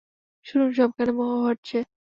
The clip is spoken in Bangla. শুনুন, সবখানে বোমা ফাটছে।